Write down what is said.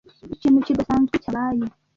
Ikintu kidasanzwe cyabaye.